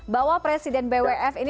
bahwa presiden bwf ini